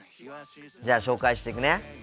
じゃあ紹介していくね。